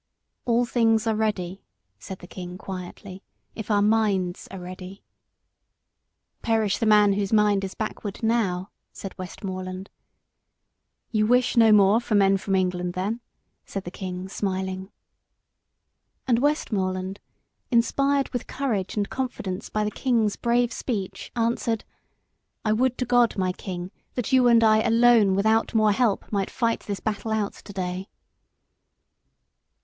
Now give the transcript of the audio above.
"All things are ready," said the king quietly, "if our minds are ready." "Perish the man whose mind is backward now," said Westmoreland. "You wish no more for men from England then," said the king smiling. And Westmoreland, inspired with courage and confidence by the king's brave speech, answered "I would to God, my king, that you and I alone without more help might fight this battle out to day."